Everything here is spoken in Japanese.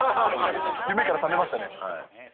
夢から覚めましたね。